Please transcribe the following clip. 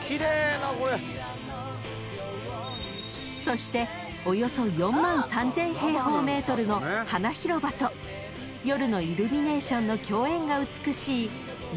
［そしておよそ４万３，０００平方ｍの花広場と夜のイルミネーションの共演が美しいなばなの里］